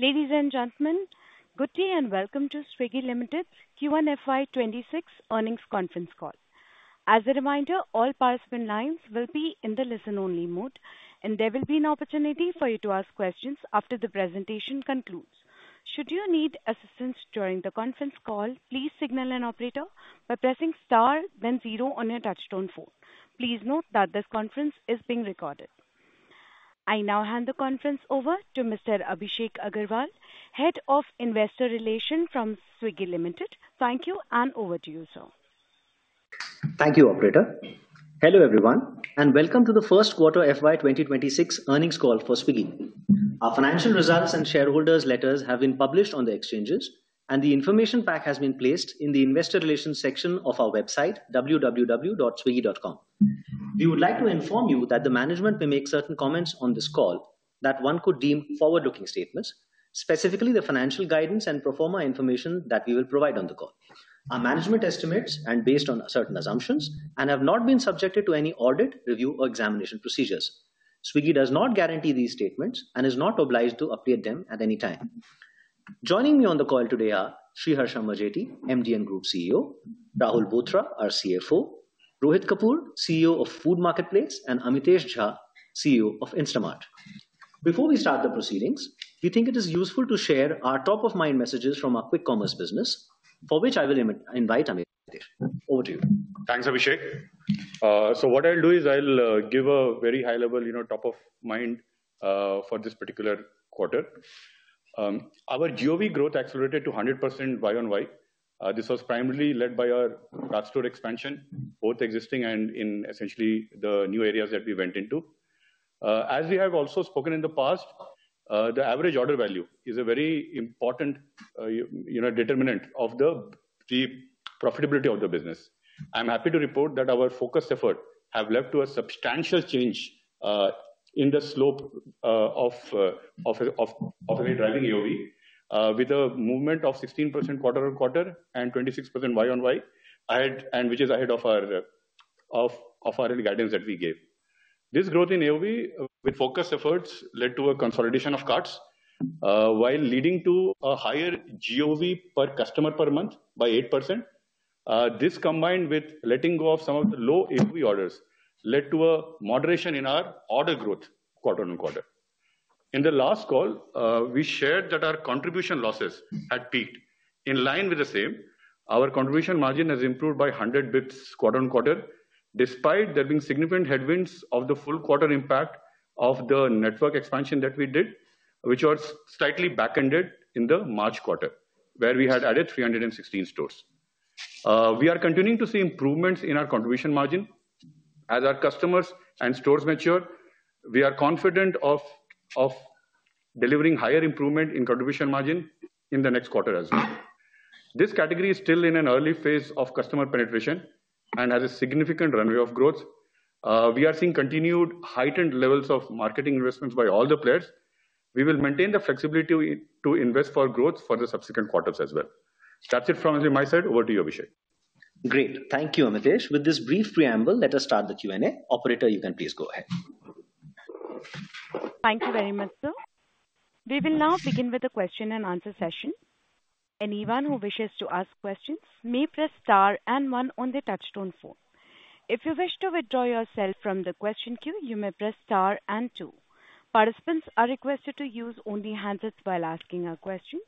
Ladies and gentlemen, good day and welcome to Swiggy Limited Q1FY26 Earnings Conference Call. As a reminder, all participant lines will be in the listen-only mode, and there will be an opportunity for you to ask questions after the presentation concludes. Should you need assistance during the conference call, please signal an operator by pressing * then 0 on your touchtone phone. Please note that this conference is being recorded. I now hand the conference over to Mr. Abhishek Agarwal, Head of Investor Relations from Swiggy Limited. Thank you, and over to you, sir. Thank you, Operator. Hello everyone, and welcome to the Q1 FY2026 Earnings Call for Swiggy. Our financial results and shareholders' letters have been published on the exchanges, and the information pack has been placed in the Investor Relations section of our website, www.swiggy.com. We would like to inform you that the management may make certain comments on this call that one could deem forward-looking statements, specifically the financial guidance and proforma information that we will provide on the call. Our management estimates are based on certain assumptions and have not been subjected to any audit, review, or examination procedures. Swiggy Limited does not guarantee these statements and is not obliged to update them at any time. Joining me on the call today are Sriharsha Majety, MD and Group CEO, Rahul Bothra, our CFO, Rohit Kapoor, CEO of Food Marketplace, and Amitesh Jha, CEO of Instamart. Before we start the proceedings, we think it is useful to share our top-of-mind messages from our quick commerce business, for which I will invite Amitesh. Over to you. Thanks, Abhishek. What I'll do is I'll give a very high-level, you know, top-of-mind for this particular quarter. Our GOV growth accelerated to 100% YoY. This was primarily led by our dark store expansion, both existing and in essentially the new areas that we went into. As we have also spoken in the past, the average order value is a very important determinant of the profitability of the business. I'm happy to report that our focused efforts have led to a substantial change in the slope of our driving AOV, with a movement of 16% quarter on quarter and 26% YoY, which is ahead of our guidance that we gave. This growth in AOV with focused efforts led to a consolidation of carts while leading to a higher GOV per customer per month by 8%. This combined with letting go of some of the low AOV orders led to a moderation in our order growth quarter on quarter. In the last call, we shared that our contribution losses had peaked. In line with the same, our contribution margin has improved by 100 bps quarter on quarter, despite there being significant headwinds of the full quarter impact of the network expansion that we did, which was slightly back-ended in the March quarter, where we had added 316 stores. We are continuing to see improvements in our contribution margin. As our customers and stores mature, we are confident of delivering higher improvement in contribution margin in the next quarter as well. This category is still in an early phase of customer penetration and has a significant runway of growth. We are seeing continued heightened levels of marketing investments by all the players. We will maintain the flexibility to invest for growth for the subsequent quarters as well. That's it from, as you might said, over to you, Abhishek. Great. Thank you, Amitesh. With this brief preamble, let us start the Q&A. Operator, you can please go ahead. Thank you very much, sir. We will now begin with a question and answer session. Anyone who wishes to ask questions may press * and 1 on the touchtone phone. If you wish to withdraw yourself from the question queue, you may press * and 2. Participants are requested to use only handsets while asking a question.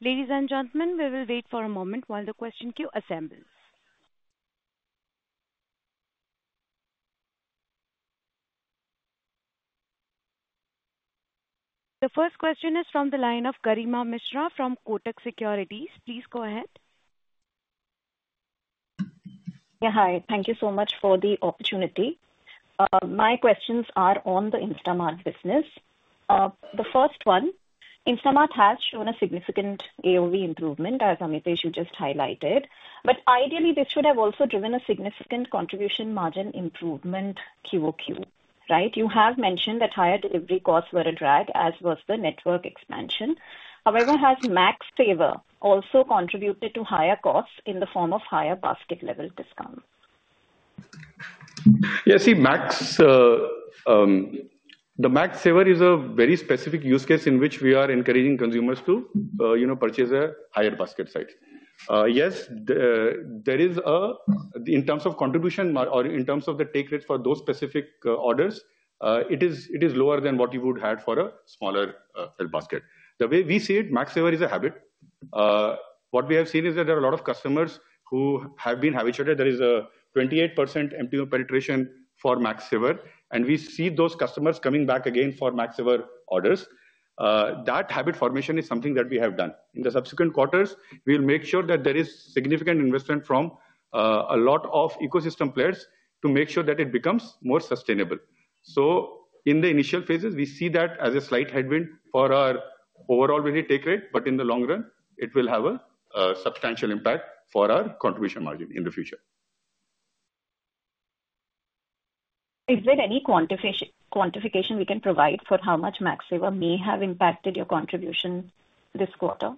Ladies and gentlemen, we will wait for a moment while the question queue assembles. The first question is from the line of Garima Mishra from Kotak Securities. Please go ahead. Yeah, hi. Thank you so much for the opportunity. My questions are on the Instamart business. The first one, Instamart has shown a significant AOV improvement, as Amitesh you just highlighted, but ideally this should have also driven a significant contribution margin improvement QoQ, right? You have mentioned that higher delivery costs were a drag, as was the network expansion. However, has Max Saver also contributed to higher costs in the form of higher basket level discount? Yes, see, Max. The Max Saver is a very specific use case in which we are encouraging consumers to, you know, purchase a higher basket size. Yes. In terms of contribution or in terms of the take rate for those specific orders, it is lower than what you would have had for a smaller basket. The way we see it, Max Saver is a habit. What we have seen is that there are a lot of customers who have been habituated. There is a 28% MTO penetration for Max Saver, and we see those customers coming back again for Max Saver orders. That habit formation is something that we have done. In the subsequent quarters, we will make sure that there is significant investment from a lot of ecosystem players to make sure that it becomes more sustainable. In the initial phases, we see that as a slight headwind for our overall ready take rate, but in the long run, it will have a substantial impact for our contribution margin in the future. Is there any quantification we can provide for how much Max Saver may have impacted your contribution this quarter?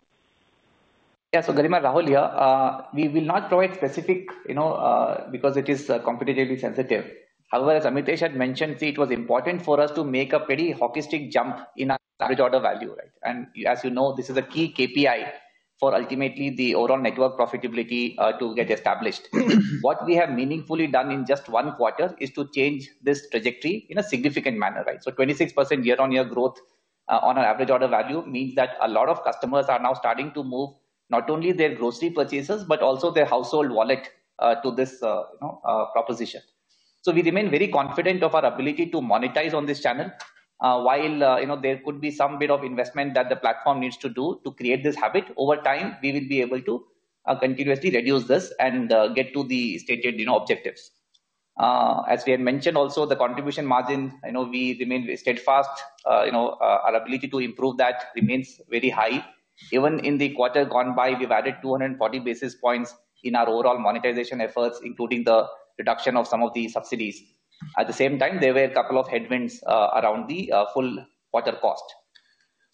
Yeah, Karima, Rahul, we will not provide specific, you know, because it is competitively sensitive. However, as Amitesh had mentioned, see, it was important for us to make a pretty hockey stick jump in our average order value, right? As you know, this is a key KPI for ultimately the overall network profitability to get established. What we have meaningfully done in just one quarter is to change this trajectory in a significant manner, right? 26% year-on-year growth on our average order value means that a lot of customers are now starting to move not only their grocery purchases, but also their household wallet to this, you know, proposition. We remain very confident of our ability to monetize on this channel. While, you know, there could be some bit of investment that the platform needs to do to create this habit, over time, we will be able to continuously reduce this and get to the stated, you know, objectives. As we had mentioned also, the contribution margin, you know, we remain steadfast, you know, our ability to improve that remains very high. Even in the quarter gone by, we've added 240 basis points in our overall monetization efforts, including the reduction of some of the subsidies. At the same time, there were a couple of headwinds around the full quarter cost.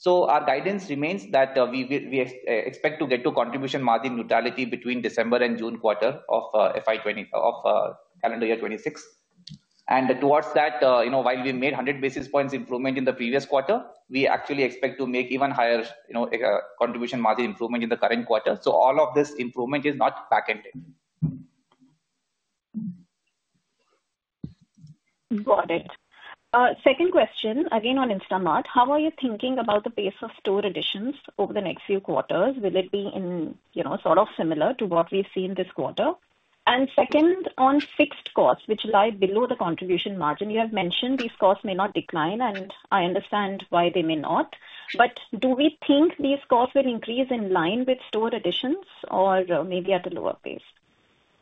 Our guidance remains that we expect to get to contribution margin neutrality between December and June quarter of calendar year 2026. Towards that, you know, while we made 100 basis points improvement in the previous quarter, we actually expect to make even higher, you know, contribution margin improvement in the current quarter. All of this improvement is not back-ended. Got it. Second question, again on Instamart, how are you thinking about the pace of store additions over the next few quarters? Will it be in, you know, sort of similar to what we've seen this quarter? On fixed costs, which lie below the contribution margin, you have mentioned these costs may not decline, and I understand why they may not, but do we think these costs will increase in line with store additions or maybe at a lower pace?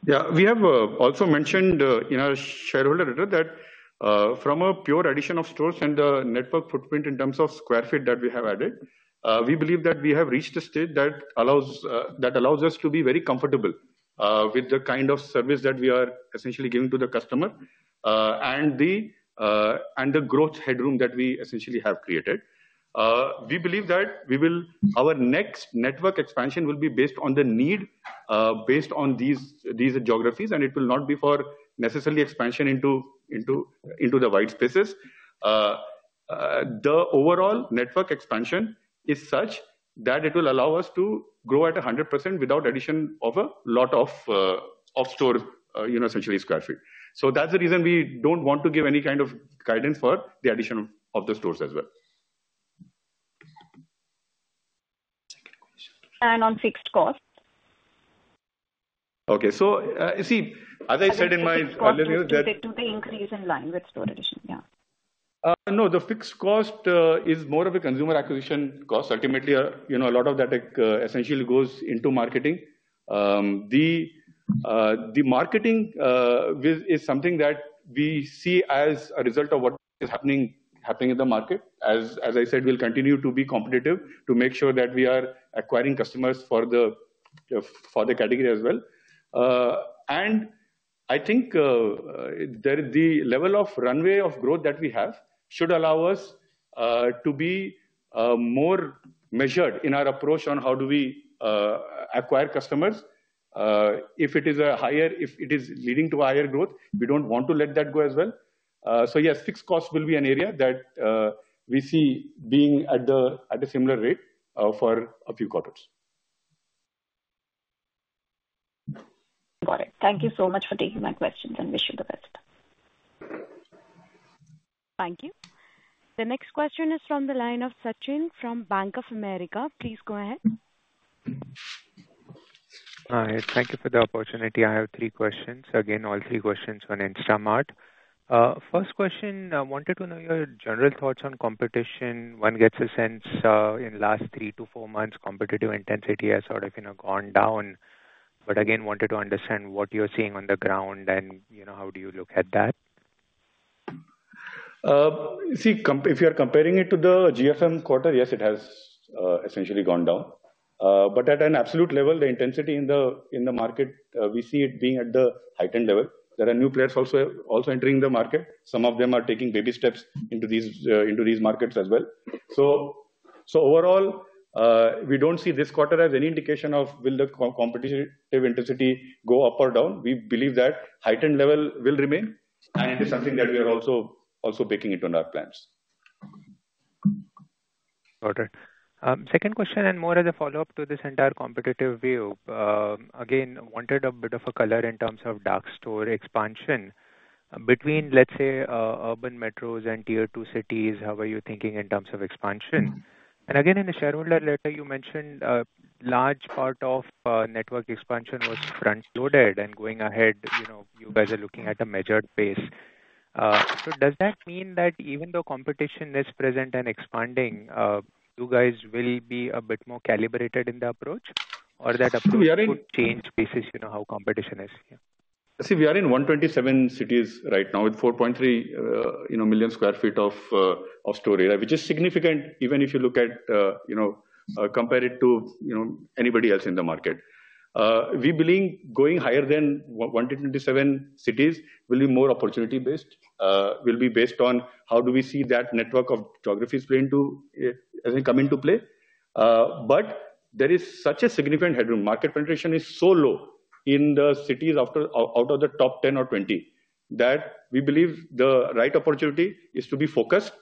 Yeah, we have also mentioned in our shareholder letter that from a pure addition of stores and the network footprint in terms of sq. ft. that we have added, we believe that we have reached a state that allows us to be very comfortable with the kind of service that we are essentially giving to the customer. The growth headroom that we essentially have created, we believe that our next network expansion will be based on the need based on these geographies, and it will not be for necessarily expansion into the wide spaces. \The overall network expansion is such that it will allow us to grow at 100% without addition of a lot of off-store, you know, essentially sq. ft.. That's the reason we don't want to give any kind of guidance for the addition of the stores as well. On fixed cost? Okay, as I said in my earlier note. Do they increase in line with store addition? Yeah. No, the fixed cost is more of a consumer acquisition cost. Ultimately, you know, a lot of that essentially goes into marketing. Marketing is something that we see as a result of what is happening in the market. As I said, we'll continue to be competitive to make sure that we are acquiring customers for the category as well. I think the level of runway of growth that we have should allow us to be more measured in our approach on how do we acquire customers. If it is leading to a higher growth, we don't want to let that go as well. Yes, fixed costs will be an area that we see being at a similar rate for a few quarters. Got it. Thank you so much for taking my questions, and wish you the best. Thank you. The next question is from the line of Sachin from Bank of America. Please go ahead. Hi, thank you for the opportunity. I have three questions. All three questions on Instamart. First question, I wanted to know your general thoughts on competition. One gets a sense in the last three to four months, competitive intensity has sort of gone down. I wanted to understand what you're seeing on the ground and how do you look at that? See, if you're comparing it to the GFM quarter, yes, it has essentially gone down. At an absolute level, the intensity in the market, we see it being at the heightened level. There are new players also entering the market. Some of them are taking baby steps into these markets as well. Overall, we don't see this quarter as any indication of will the competitive intensity go up or down. We believe that heightened level will remain, and it is something that we are also baking into our plans. Got it. Second question, more as a follow-up to this entire competitive view, again, wanted a bit of a color in terms of dark store expansion. Between, let's say, urban metros and tier two cities, how are you thinking in terms of expansion? In the shareholder letter, you mentioned a large part of network expansion was front-loaded and going ahead, you know, you guys are looking at a measured pace. Does that mean that even though competition is present and expanding, you guys will be a bit more calibrated in the approach or that approach would change basis, you know, how competition is? See, we are in 127 cities right now with 4.3 million sq. ft. of store area, which is significant even if you look at, you know, compare it to anybody else in the market. We believe going higher than 127 cities will be more opportunity-based, will be based on how do we see that network of geographies come into play. There is such a significant headroom. Market penetration is so low in the cities out of the top 10 or 20 that we believe the right opportunity is to be focused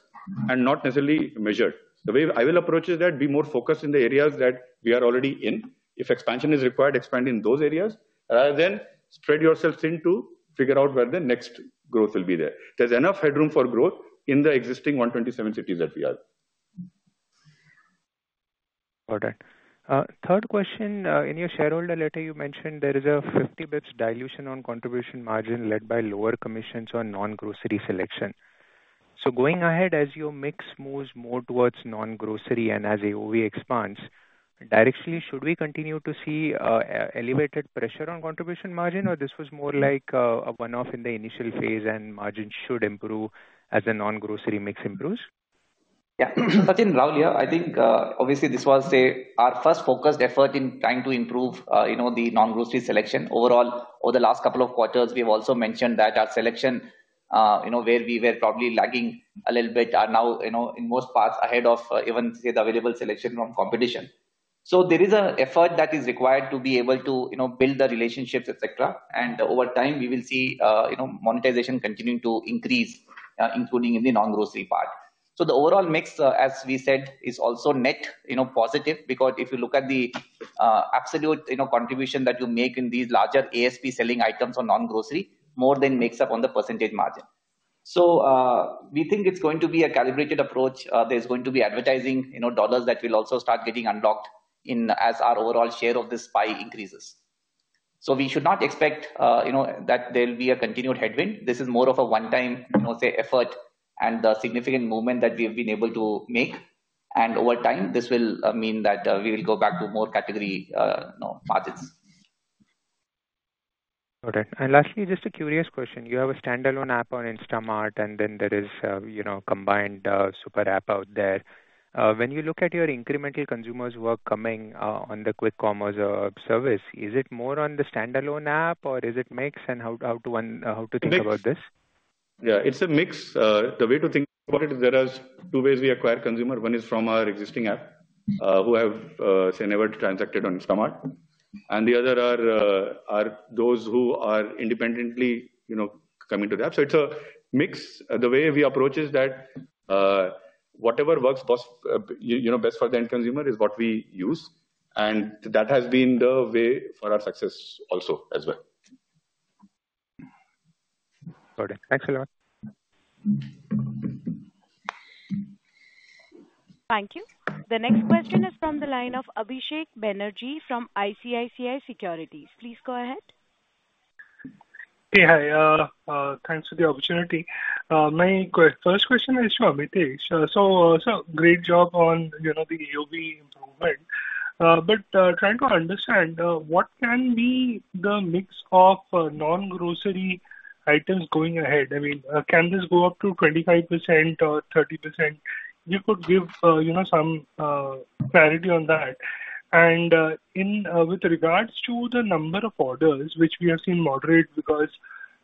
and not necessarily measured. The way I will approach is that be more focused in the areas that we are already in. If expansion is required, expand in those areas rather than spread yourselves in to figure out where the next growth will be there. There's enough headroom for growth in the existing 127 cities that we have. Got it. Third question, in your shareholder letter, you mentioned there is a 50 bps dilution on contribution margin led by lower commissions on non-grocery selection. Going ahead, as your mix moves more towards non-grocery and as AOV expands, directly, should we continue to see elevated pressure on contribution margin, or this was more like a one-off in the initial phase and margin should improve as the non-grocery mix improves? Yeah, Sachin, Rahul, I think obviously this was our first focused effort in trying to improve the non-grocery selection. Overall, over the last couple of quarters, we have also mentioned that our selection, where we were probably lagging a little bit, are now in most parts ahead of even, say, the available selection from competition. There is an effort that is required to be able to build the relationships, et cetera. Over time, we will see monetization continue to increase, including in the non-grocery part. The overall mix, as we said, is also net positive because if you look at the absolute contribution that you make in these larger ASP selling items or non-grocery, more than makes up on the percentage margin. We think it's going to be a calibrated approach. There is going to be advertising dollars that will also start getting unlocked as our overall share of this pie increases. We should not expect that there'll be a continued headwind. This is more of a one-time effort and the significant movement that we have been able to make. Over time, this will mean that we will go back to more category margins. Got it. Lastly, just a curious question. You have a standalone app on Instamart, and then there is a combined super app out there. When you look at your incremental consumers' work coming on the quick commerce service, is it more on the standalone app or is it mixed, and how to think about this? Yeah, it's a mix. The way to think about it is there are two ways we acquire consumers. One is from our existing app who have, say, never transacted on Instamart. The other are those who are independently, you know, coming to the app. It's a mix. The way we approach is that whatever works, you know, best for the end consumer is what we use. That has been the way for our success also as well. Got it. Thanks a lot. Thank you. The next question is from the line of Abhisek Banerjee from ICICI Securities. Please go ahead. Hey, hi. Thanks for the opportunity. My first question is to Amitesh. Great job on, you know, the AOV improvement. Trying to understand what can be the mix of non-grocery items going ahead. I mean, can this go up to 25% or 30%? If you could give, you know, some clarity on that. In regards to the number of orders, which we have seen moderate because,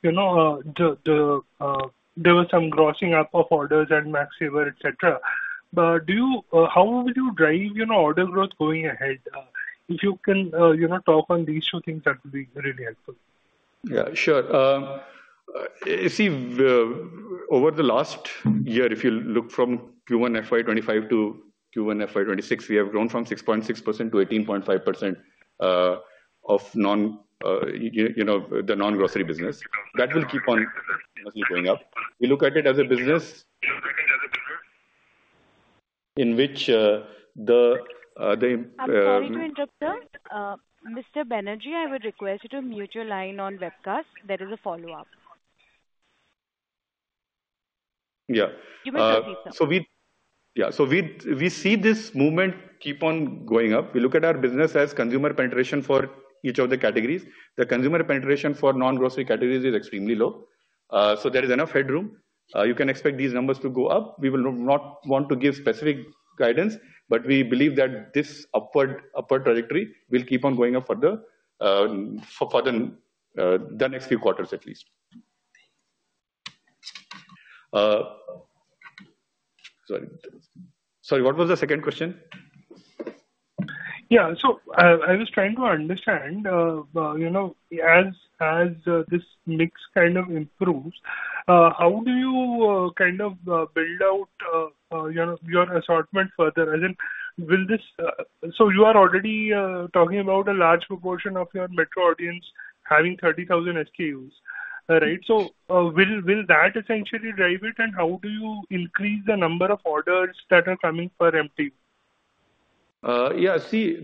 you know, there was some grossing up of orders and Max Saver, etc. How would you drive, you know, order growth going ahead? If you can, you know, talk on these two things, that would be really helpful. Yeah, sure. Over the last year, if you look from Q1 FY2025 to Q1 FY2026, we have grown from 6.6% to 18.5% of the non-grocery business. That will keep on going up. We look at it as a business in which the. Sorry to interrupt there. Mr. Banerjee, I would request you to mute your line on webcast. There is a follow-up. Yeah. You may proceed, sir. Yeah, we see this movement keep on going up. We look at our business as consumer penetration for each of the categories. The consumer penetration for non-grocery categories is extremely low, so there is enough headroom. You can expect these numbers to go up. We will not want to give specific guidance, but we believe that this upward trajectory will keep on going up further for the next few quarters at least. Sorry, what was the second question? Yeah, I was trying to understand. As this mix kind of improves, how do you build out your assortment further? You are already talking about a large proportion of your metro audience having 30,000 SKUs, right? Will that essentially drive it, and how do you increase the number of orders that are coming for MTU? Yeah, see,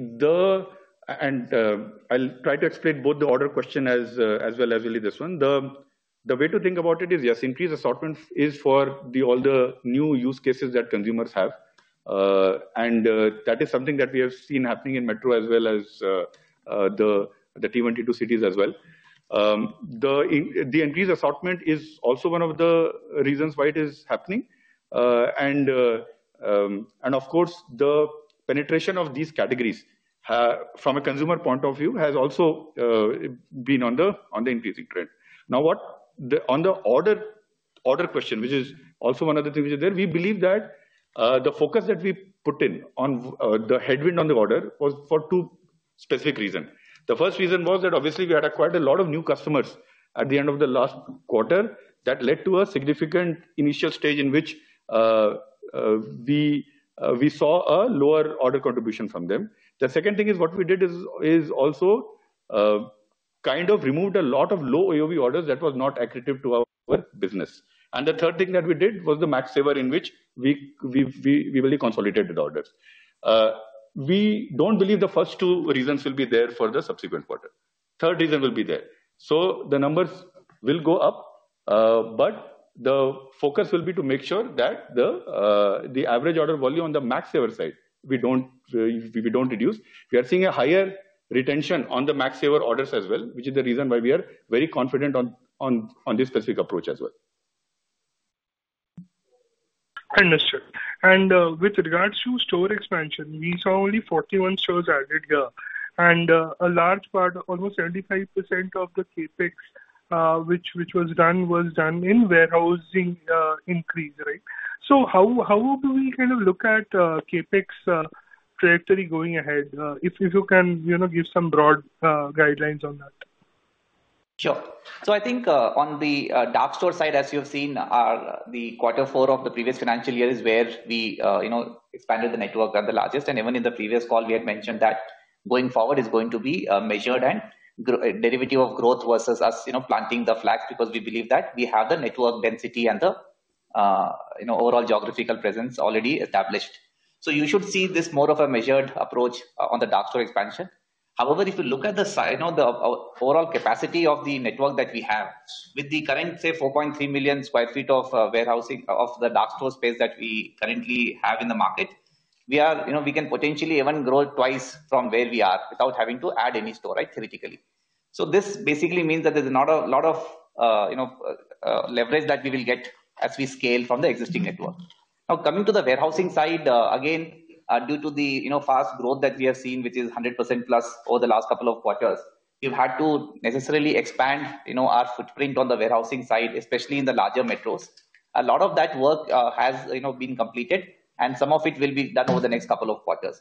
I'll try to explain both the order question as well as really this one. The way to think about it is, yes, increased assortment is for all the new use cases that consumers have. That is something that we have seen happening in metro as well as the T1, T2 cities as well. The increased assortment is also one of the reasons why it is happening. Of course, the penetration of these categories from a consumer point of view has also been on the increasing trend. Now, on the order question, which is also one of the things which is there, we believe that the focus that we put in on the headwind on the order was for two specific reasons. The first reason was that obviously we had acquired a lot of new customers at the end of the last quarter that led to a significant initial stage in which we saw a lower order contribution from them. The second thing is what we did is also kind of removed a lot of low AOV orders that were not accurate to our business. The third thing that we did was the Max Saver in which we really consolidated orders. We don't believe the first two reasons will be there for the subsequent quarter. The third reason will be there. The numbers will go up. The focus will be to make sure that the average order volume on the Max Saver side, we don't reduce. We are seeing a higher retention on the Max Saver orders as well, which is the reason why we are very confident on this specific approach as well. With regards to store expansion, we saw only 41 stores added here. A large part, almost 75% of the CapEx, which was done, was done in warehousing increase, right? How do we kind of look at CapEx trajectory going ahead? If you can, you know, give some broad guidelines on that. Sure. I think on the dark store side, as you've seen, the quarter four of the previous financial year is where we expanded the network at the largest. Even in the previous call, we had mentioned that going forward is going to be measured and derivative of growth versus us planting the flags because we believe that we have the network density and the overall geographical presence already established. You should see this as more of a measured approach on the dark store expansion. However, if you look at the overall capacity of the network that we have with the current, say, 4.3 million sq. ft. of warehousing of the dark store space that we currently have in the market, we can potentially even grow twice from where we are without having to add any store, right, theoretically. This basically means that there's not a lot of leverage that we will get as we scale from the existing network. Now, coming to the warehousing side, again, due to the fast growth that we have seen, which is 100%+ over the last couple of quarters, we've had to necessarily expand our footprint on the warehousing side, especially in the larger metros. A lot of that work has been completed, and some of it will be done over the next couple of quarters.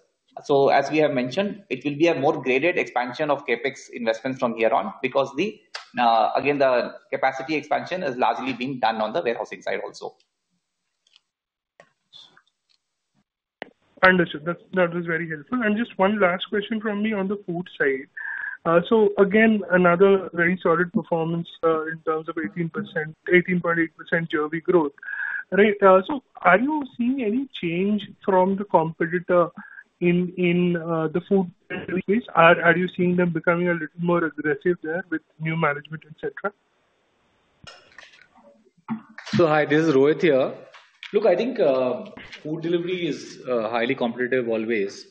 As we have mentioned, it will be a more graded expansion of CapEx investments from here on because the capacity expansion is largely being done on the warehousing side also. Understood. That was very helpful. Just one last question from me on the food side. Again, another very solid performance in terms of 18.8% AOV growth, right? Are you seeing any change from the competitor in the food space? Are you seeing them becoming a little more aggressive there with new management, et cetera? Hi, this is Rohit here. I think food delivery is highly competitive always.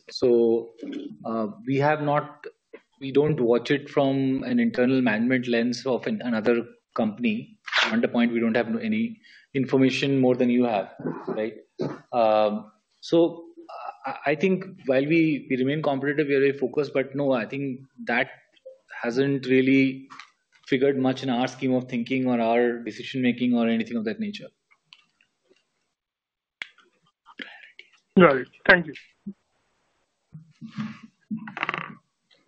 We don't watch it from an internal management lens of another company. On the point, we don't have any information more than you have, right? I think while we remain competitive, we are very focused, but no, I think that hasn't really figured much in our scheme of thinking or our decision-making or anything of that nature. Got it. Thank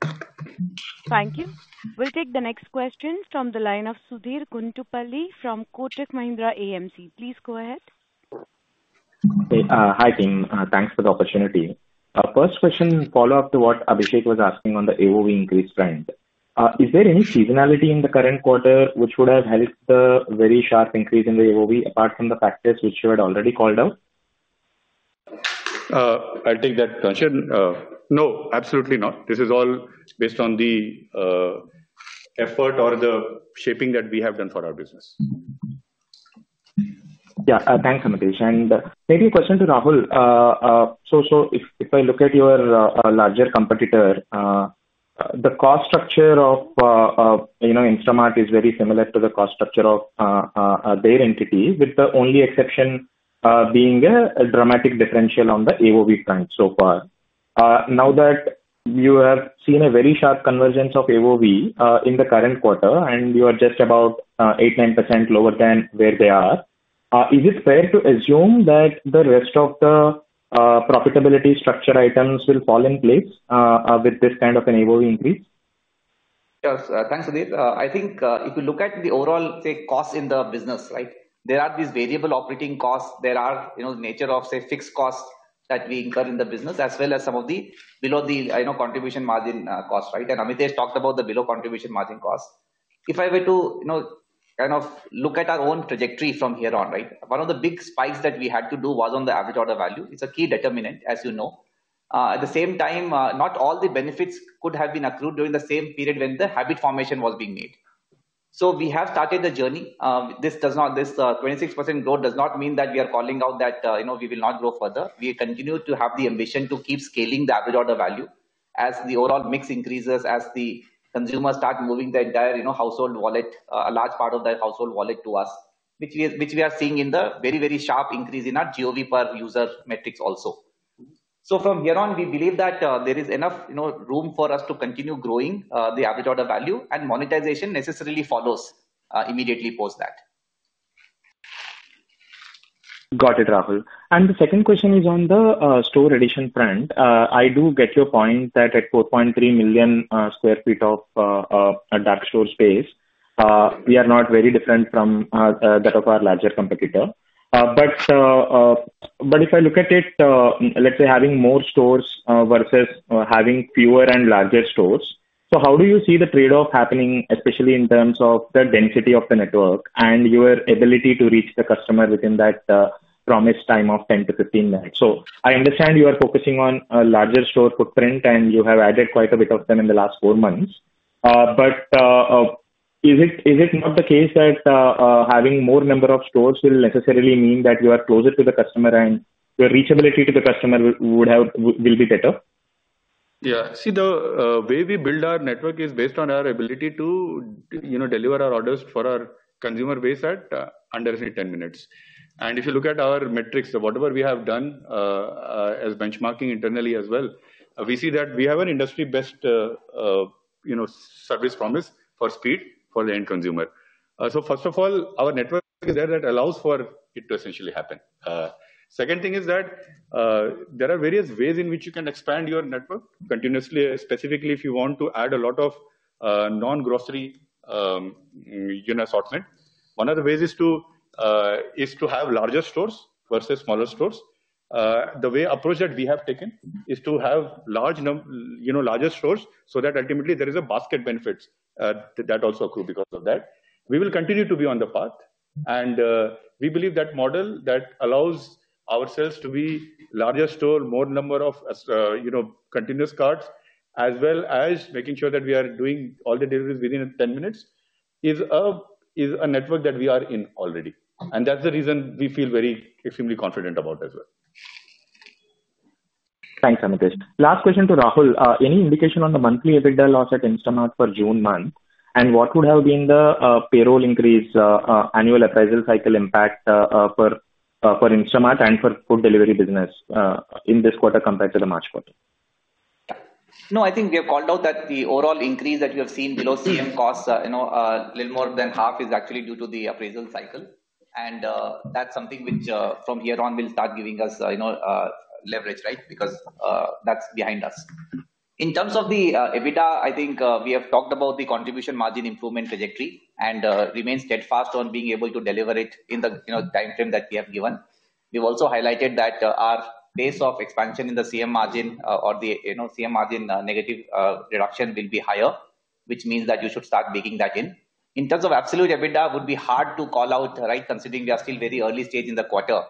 you. Thank you. We'll take the next question from the line of Sudheer Guntupalli from Kotak Mahindra AMC. Please go ahead. Hi team. Thanks for the opportunity. First question, follow-up to what Abhishek was asking on the AOV increase trend. Is there any seasonality in the current quarter which would have helped the very sharp increase in the AOV apart from the factors which you had already called out? I'll take that question. No, absolutely not. This is all based on the effort or the shaping that we have done for our business. Yeah, thanks, Amitesh. Maybe a question to Rahul. If I look at your larger competitor, the cost structure of Instamart is very similar to the cost structure of their entity, with the only exception being a dramatic differential on the AOV trend so far. Now that you have seen a very sharp convergence of AOV in the current quarter and you are just about 8-9% lower than where they are, is it fair to assume that the rest of the profitability structure items will fall in place with this kind of an AOV increase? Yes, thanks, Sudheer. I think if you look at the overall, say, cost in the business, there are these variable operating costs. There are the nature of, say, fixed costs that we incur in the business as well as some of the below the, you know, contribution margin cost. Amitesh talked about the below contribution margin cost. If I were to kind of look at our own trajectory from here on, one of the big spikes that we had to do was on the average order value. It's a key determinant, as you know. At the same time, not all the benefits could have been accrued during the same period when the habit formation was being made. We have started the journey. This 26% growth does not mean that we are calling out that we will not grow further. We continue to have the ambition to keep scaling the average order value as the overall mix increases, as the consumers start moving the entire household wallet, a large part of the household wallet to us, which we are seeing in the very, very sharp increase in our GOV per user metrics also. From here on, we believe that there is enough room for us to continue growing the average order value, and monetization necessarily follows immediately post that. Got it, Rahul. The second question is on the store addition trend. I do get your point that at 4.3 million sq. ft. of dark store space, we are not very different from that of our larger competitor. If I look at it, let's say having more stores versus having fewer and larger stores, how do you see the trade-off happening, especially in terms of the density of the network and your ability to reach the customer within that promised time of 10 to 15 minutes? I understand you are focusing on a larger store footprint, and you have added quite a bit of them in the last four months. Is it not the case that having more number of stores will necessarily mean that you are closer to the customer and your reachability to the customer will be better? Yeah, see, the way we build our network is based on our ability to deliver our orders for our consumer base at under 10 minutes. If you look at our metrics, whatever we have done as benchmarking internally as well, we see that we have an industry-best service promise for speed for the end consumer. First of all, our network is there that allows for it to essentially happen. The second thing is that there are various ways in which you can expand your network continuously, specifically if you want to add a lot of non-grocery assortment. One of the ways is to have larger stores versus smaller stores. The approach that we have taken is to have larger stores so that ultimately there is a basket benefit that also accrues because of that. We will continue to be on the path, and we believe that model that allows ourselves to be larger store, more number of continuous cards, as well as making sure that we are doing all the deliveries within 10 minutes is a network that we are in already. That's the reason we feel very extremely confident about as well. Thanks, Amitesh. Last question to Rahul. Any indication on the monthly EBITDA loss at Instamart for June month, and what would have been the payroll increase annual appraisal cycle impact for Instamart and for food delivery business in this quarter compared to the March quarter? No, I think we have called out that the overall increase that we have seen below CM costs, a little more than half is actually due to the appraisal cycle. That's something which from here on will start giving us leverage, right, because that's behind us. In terms of the EBITDA, I think we have talked about the contribution margin improvement trajectory and remain steadfast on being able to deliver it in the timeframe that we have given. We've also highlighted that our pace of expansion in the CM margin or the NCM margin negative reduction will be higher, which means that you should start baking that in. In terms of absolute EBITDA, it would be hard to call out, right, considering we are still very early stage in the quarter.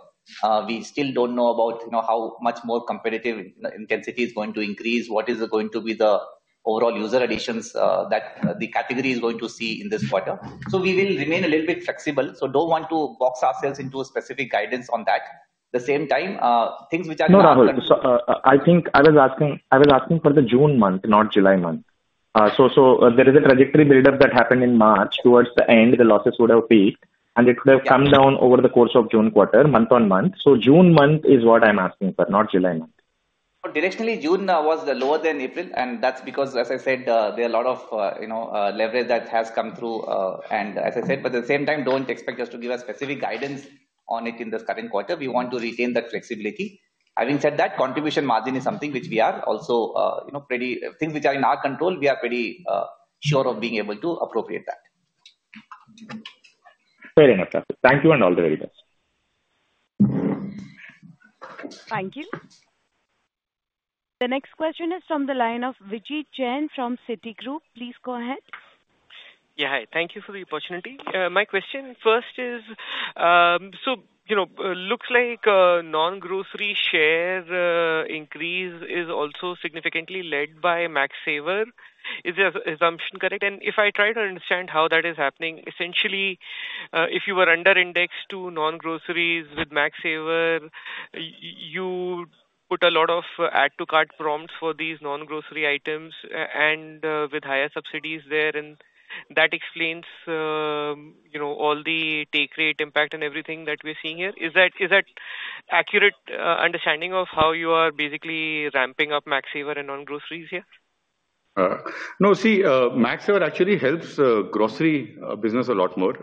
We still don't know about how much more competitive intensity is going to increase, what is going to be the overall user additions that the category is going to see in this quarter. We will remain a little bit flexible. Don't want to box ourselves into a specific guidance on that. At the same time, things which are not. No, Rahul, I think I was asking for the June month, not July month. There is a trajectory buildup that happened in March towards the end, the losses would have peaked, and it would have come down over the course of the June quarter, month on month. June month is what I'm asking for, not July month. Directionally, June was lower than April, and that's because, as I said, there are a lot of leverage that has come through. At the same time, don't expect us to give a specific guidance on it in this current quarter. We want to retain that flexibility. Having said that, contribution margin is something which we are also pretty sure of being able to appropriate that. Very much appreciated. Thank you and all the very best. Thank you. The next question is from the line of Vijit Jain from Citigroup. Please go ahead. Yeah, hi. Thank you for the opportunity. My question first is, looks like non-grocery share increase is also significantly led by Max Saver. Is the assumption correct? If I try to understand how that is happening, essentially, if you were under-indexed to non-groceries with Max Saver, you put a lot of add-to-cart prompts for these non-grocery items, and with higher subsidies there, that explains all the take-rate impact and everything that we're seeing here. Is that an accurate understanding of how you are basically ramping up Max Saver and non-groceries here? No, see, Max Saver actually helps the grocery business a lot more.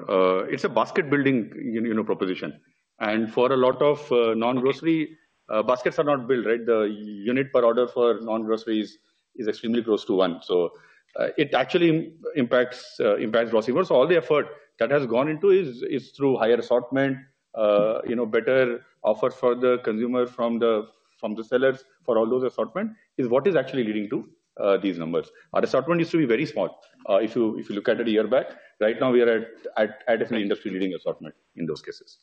It's a basket-building proposition. For a lot of non-grocery, baskets are not built, right? The unit per order for non-groceries is extremely close to one. It actually impacts grossly more. All the effort that has gone into is through higher assortment, better offers for the consumer from the sellers for all those assortment is what is actually leading to these numbers. Our assortment used to be very small. If you look at it a year back, right now we are at definitely industry-leading assortment in those cases.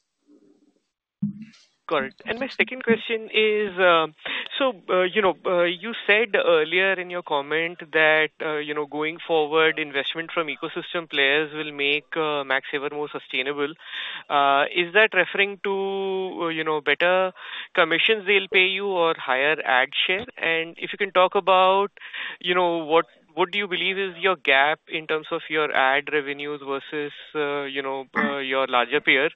Got it. My second question is, you said earlier in your comment that, going forward, investment from ecosystem players will make Max Saver more sustainable. Is that referring to better commissions they'll pay you or higher ad share? If you can talk about what you believe is your gap in terms of your ad revenues versus your larger peer,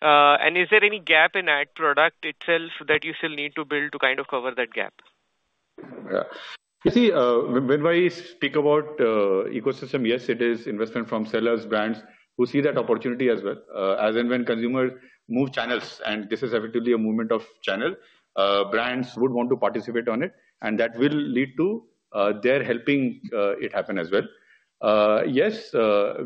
and is there any gap in ad product itself that you still need to build to kind of cover that gap? You see, when we speak about ecosystem, yes, it is investment from sellers, brands who see that opportunity as well. As and when consumers move channels, and this is effectively a movement of channel, brands would want to participate on it, and that will lead to their helping it happen as well. Yes,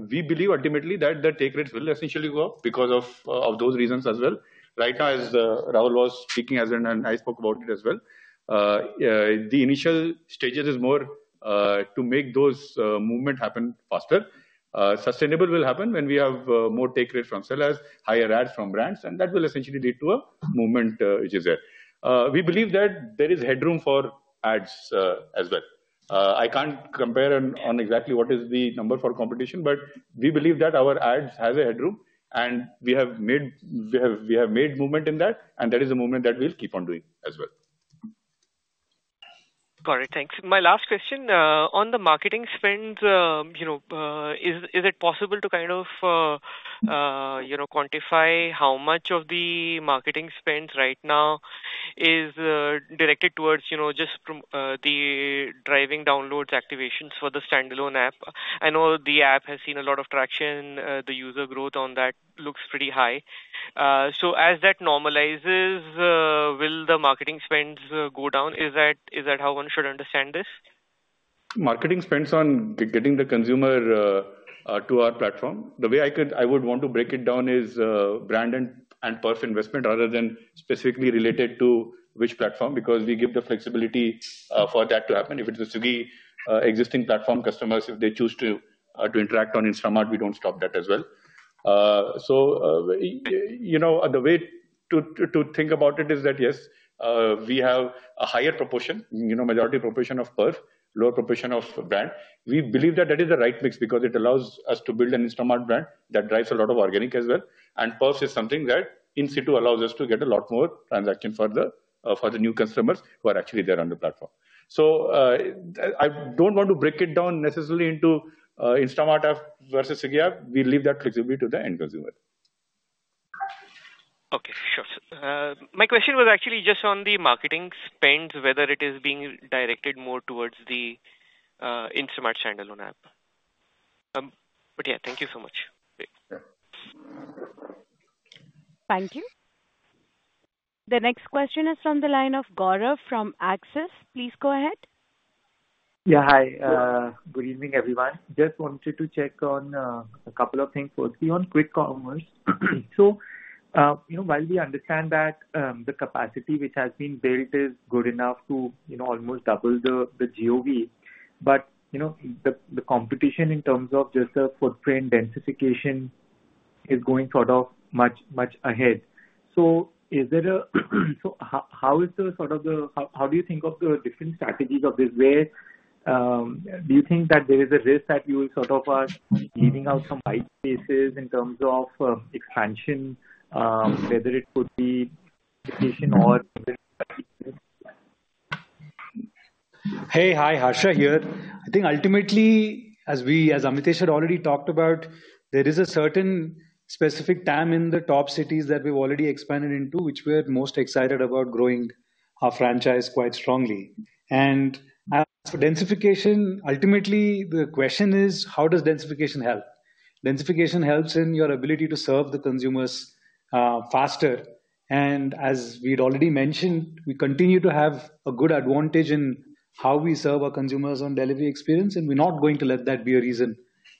we believe ultimately that the take-rates will essentially go up because of those reasons as well. Right now, as Rahul was speaking, as in I spoke about it as well. The initial stages are more to make those movements happen faster. Sustainable will happen when we have more take-rates from sellers, higher ads from brands, and that will essentially lead to a movement which is there. We believe that there is headroom for ads as well. I can't compare on exactly what is the number for competition, but we believe that our ads have a headroom, and we have made movement in that, and that is a movement that we'll keep on doing as well. Got it. Thanks. My last question on the marketing spends, is it possible to kind of quantify how much of the marketing spends right now is directed towards just the driving downloads activations for the standalone app? I know the app has seen a lot of traction, the user growth on that looks pretty high. As that normalizes, will the marketing spends go down? Is that how one should understand this? Marketing spends on getting the consumer to our platform. The way I would want to break it down is brand and perf investment rather than specifically related to which platform, because we give the flexibility for that to happen. If it's the existing platform customers, if they choose to interact on Instamart, we don't stop that as well. The way to think about it is that yes, we have a higher proportion, you know, majority proportion of perf, lower proportion of brand. We believe that that is the right mix because it allows us to build an Instamart brand that drives a lot of organic as well and perf is something that in situ allows us to get a lot more transaction further for the new customers who are actually there on the platform. I don't want to break it down necessarily into Instamart app versus Swiggy app. We leave that flexibility to the end consumer. Okay, sure. My question was actually just on the marketing spends, whether it is being directed more towards the Instamart standalone app. Thank you so much. Thank you. The next question is from the line of Gaurav Malhotra from Axis. Please go ahead. Yeah, hi. Good evening, everyone. Just wanted to check on a couple of things, firstly on quick commerce. While we understand that the capacity which has been built is good enough to almost double the GOV, the competition in terms of just the footprint densification is going much, much ahead. How do you think of the different strategies of this? Do you think that there is a risk that you are leaving out some white spaces in terms of expansion, whether it could be education or. Hey, hi, Harshra here. I think ultimately, as Amitesh had already talked about, there is a certain specific time in the top cities that we've already expanded into, which we are most excited about growing our franchise quite strongly. For densification, ultimately the question is, how does densification help? Densification helps in your ability to serve the consumers faster. As we'd already mentioned, we continue to have a good advantage in how we serve our consumers on delivery experience, and we're not going to let that be a reason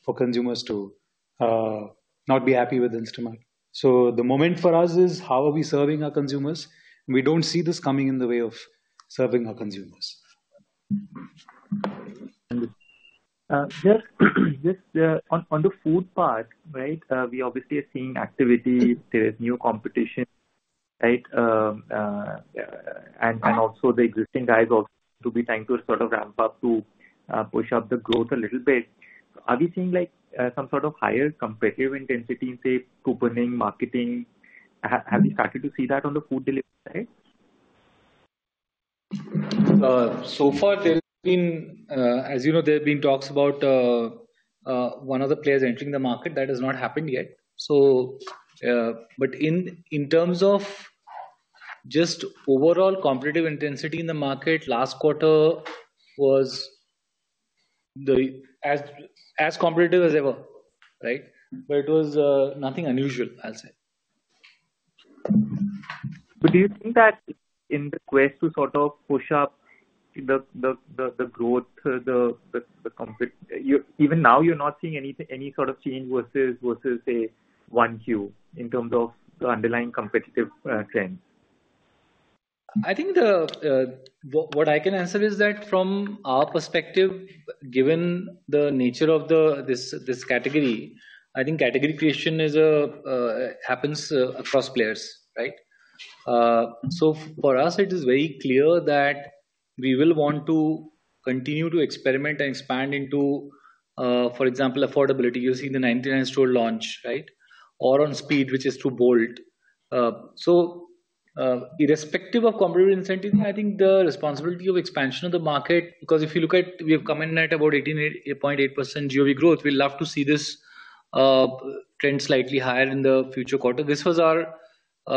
for consumers to not be happy with Instamart. The moment for us is how are we serving our consumers? We don't see this coming in the way of serving our consumers. Just on the food part, we obviously are seeing activity. There is new competition, right? Also, the existing guys are trying to sort of ramp up to push up the growth a little bit. Are we seeing some sort of higher competitive intensity in, say, opening marketing? Have we started to see that on the food delivery side? There have been talks about one of the players entering the market. That has not happened yet. In terms of overall competitive intensity in the market, last quarter was as competitive as ever, right? It was nothing unusual, I'll say. Do you think that in the quest to sort of push up the growth, even now you're not seeing any sort of change versus, say, 1Q in terms of the underlying competitive trends? What I can answer is that from our perspective, given the nature of this category, category creation happens across players, right? For us, it is very clear that we will want to continue to experiment and expand into, for example, affordability. You've seen the 99 store launch, right? Or on speed, which is too bold. Irrespective of competitive incentives, the responsibility of expansion of the market, because if you look at, we have commented at about 18.8% GOV growth, we'd love to see this trend slightly higher in the future quarter. This was our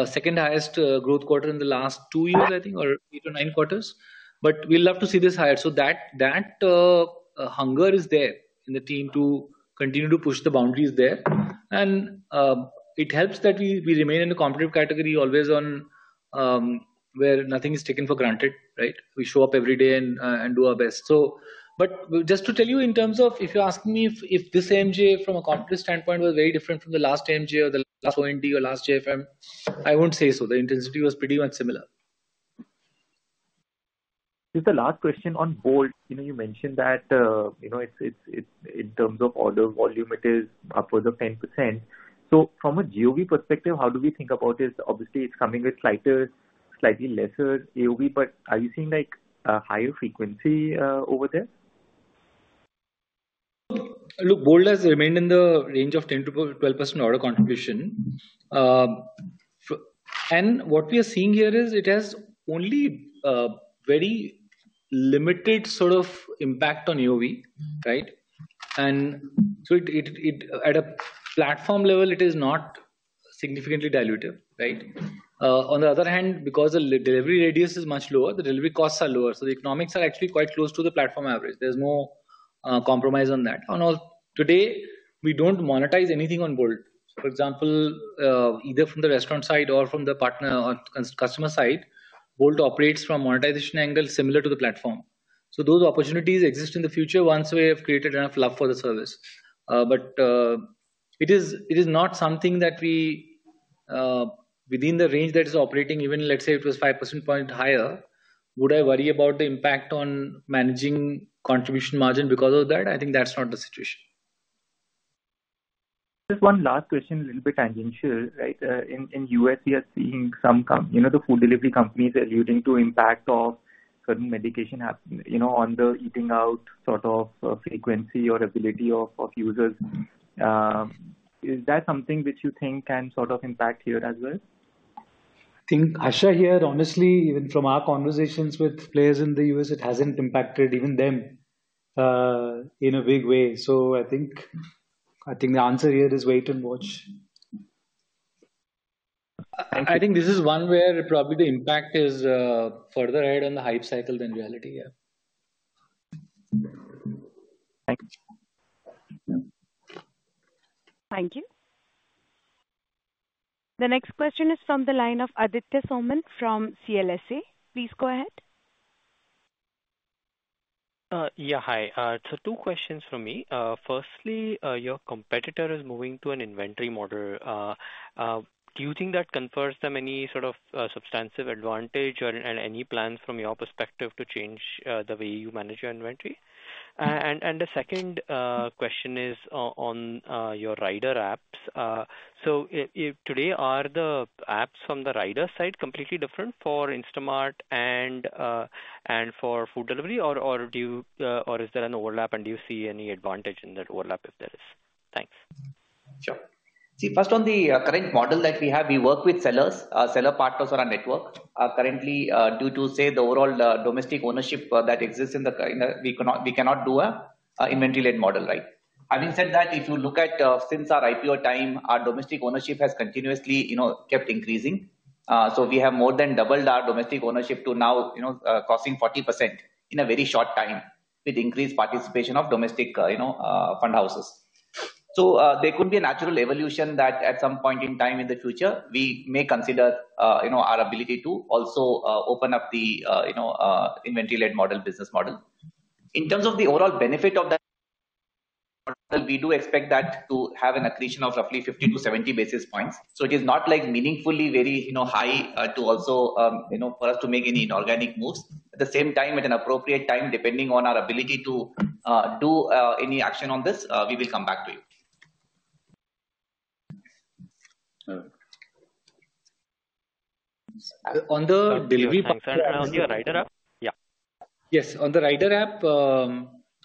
second highest growth quarter in the last two years, or eight or nine quarters. We'd love to see this higher. That hunger is there in the team to continue to push the boundaries there. It helps that we remain in the competitive category always on, where nothing is taken for granted, right? We show up every day and do our best. Just to tell you in terms of, if you're asking me if this AMJ from a competitive standpoint was very different from the last AMJ or the last O&D or last JFM, I won't say so. The intensity was pretty much similar. Just the last question on Bolt. You mentioned that in terms of order volume, it is upwards of 10%. From a GOV perspective, how do we think about this? Obviously, it's coming with slightly lesser AOV, but are you seeing like a higher frequency over there? Look, Bolt has remained in the range of 10% to 12% order contribution. What we are seeing here is it has only very limited sort of impact on AOV, right? At a platform level, it is not significantly diluted, right? On the other hand, because the delivery radius is much lower, the delivery costs are lower. The economics are actually quite close to the platform average. There's no compromise on that. On all today, we don't monetize anything on Bolt. For example, either from the restaurant side or from the partner or customer side, Bolt operates from a monetization angle similar to the platform. Those opportunities exist in the future once we have created enough love for the service. It is not something that we, within the range that is operating, even let's say it was 5% point higher, would I worry about the impact on managing contribution margin because of that? I think that's not the situation. Just one last question, a little bit tangential, right? In the U.S., we are seeing some, you know, the food delivery companies alluding to impact of certain medication happening, you know, on the eating out sort of frequency or ability of users. Is that something which you think can sort of impact here as well? I think Sriharsha here, honestly, even from our conversations with players in the U.S., it hasn't impacted even them in a big way. I think the answer here is wait and watch. This is one where probably the impact is further ahead on the hype cycle than reality. Yeah. Thank you. The next question is from the line of Aditya Soman from CLSA. Please go ahead. Yeah, hi. Two questions for me. Firstly, your competitor is moving to an inventory model. Do you think that confers them any sort of substantive advantage, and any plans from your perspective to change the way you manage your inventory? The second question is on your rider apps. Today, are the apps from the rider side completely different for Instamart and for food delivery, or is there an overlap, and do you see any advantage in that overlap if there is? Thanks. Sure. First, on the current model that we have, we work with sellers, seller partners on our network. Currently, due to the overall domestic ownership that exists, we cannot do an inventory-led model. Having said that, if you look at since our IPO time, our domestic ownership has continuously kept increasing. We have more than doubled our domestic ownership to now crossing 40% in a very short time with increased participation of domestic fund houses. There could be a natural evolution that at some point in time in the future, we may consider our ability to also open up the inventory-led model business model. In terms of the overall benefit of that model, we do expect that to have an accretion of roughly 50 to 70 basis points. It is not meaningfully very high for us to make any inorganic moves. At the same time, at an appropriate time, depending on our ability to do any action on this, we will come back to you. On the delivery part. Sorry, can I ask you a rider app? Yes. On the rider app,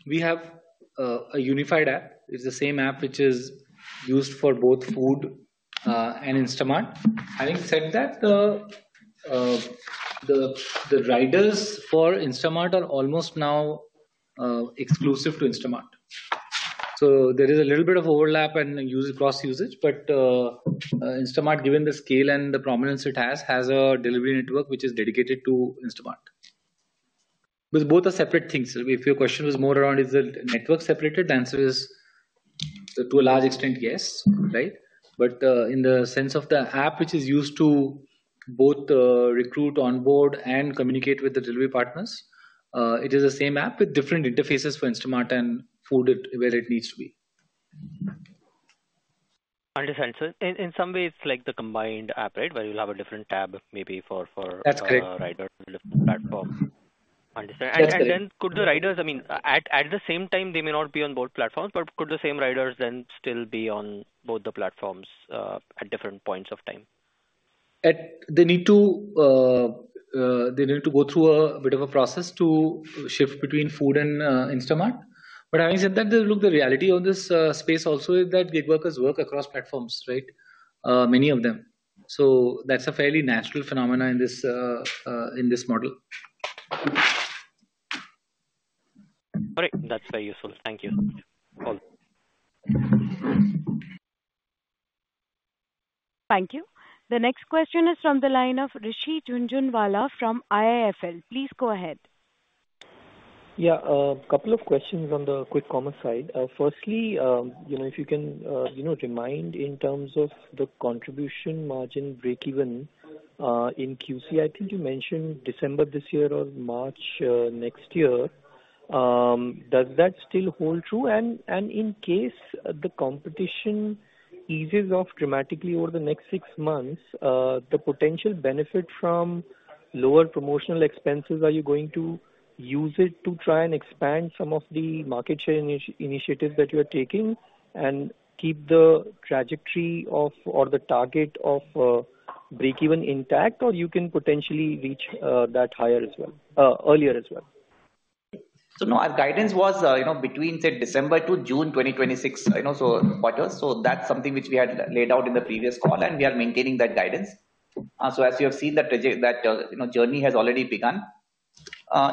we have a unified app. It's the same app which is used for both food and Instamart. Having said that, the riders for Instamart are almost now exclusive to Instamart. There is a little bit of overlap and cross-usage, but Instamart, given the scale and the prominence it has, has a delivery network which is dedicated to Instamart. Both are separate things. If your question was more around, is the network separated, the answer is, to a large extent, yes, right? In the sense of the app which is used to both recruit, onboard, and communicate with the delivery partners, it is the same app with different interfaces for Instamart and food where it needs to be. Understand. In some way, it's like the combined app, right? Where you'll have a different tab maybe for. That's correct. Rider on a different platform. Understand. Could the riders, I mean, at the same time, they may not be on both platforms, but could the same riders then still be on both the platforms at different points of time? They need to go through a bit of a process to shift between food and Instamart. Having said that, look, the reality of this space also is that gig workers work across platforms, right? Many of them. That's a fairly natural phenomenon in this model. All right. That's very useful. Thank you. Thank you. The next question is from the line of Rishi Junjunwala from IIFL. Please go ahead. Yeah, a couple of questions on the quick commerce side. Firstly, if you can remind in terms of the contribution margin breakeven, in QC, I think you mentioned December this year or March next year. Does that still hold true? In case the competition eases off dramatically over the next six months, the potential benefit from lower promotional expenses, are you going to use it to try and expand some of the market share initiatives that you are taking and keep the trajectory of or the target of breakeven intact, or you can potentially reach that higher as well, earlier as well? Our guidance was between, say, December to June 2026, you know, so quarters. That's something which we had laid out in the previous call, and we are maintaining that guidance. As you have seen, that journey has already begun.